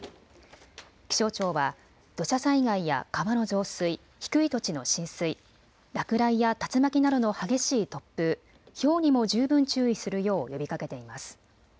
気象庁は土砂災害や川の増水、低い土地の浸水、落雷や竜巻などの激しい突風、ひょうにも十分注意するよう呼びかけています。